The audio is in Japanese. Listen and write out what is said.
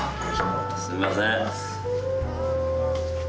すいません。